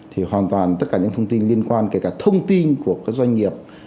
thì hoàn toàn tất cả những thông tin liên quan kể cả thông tin của các doanh nghiệp